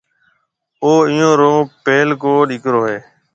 او ايئيون رو پيلڪو ڏِيڪرو هيَ۔